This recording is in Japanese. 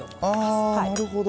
ああなるほど。